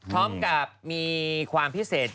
พร้อมกับมีความพิเศษ